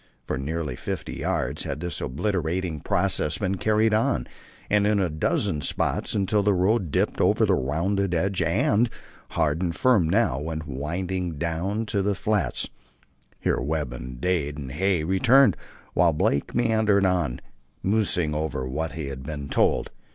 For nearly fifty yards had this obliterating process been carried on, and in a dozen spots, until the road dipped over the rounding edge and, hard and firm now, went winding down to the flats. Here Webb, with Dade and Hay, returned, while Blake meandered on, musing over what he had been told.